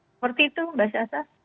seperti itu mbak sassa